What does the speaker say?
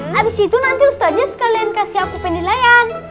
habis itu nanti ustaznya sekalian kasih aku penilaian